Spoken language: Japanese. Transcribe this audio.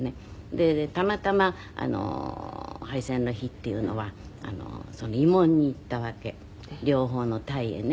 でたまたま敗戦の日っていうのは慰問に行ったわけ両方の隊へね。